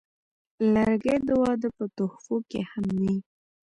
لرګی د واده په تحفو کې هم وي.